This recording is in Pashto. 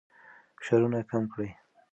فشارونه کم کړئ.